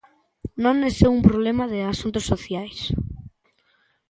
Non é só un problema de asuntos sociais.